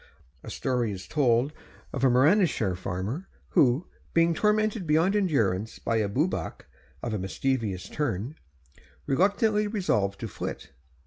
A story is told of a Merionethshire farmer who, being tormented beyond endurance by a Bwbach of a mischievous turn, reluctantly resolved to flit.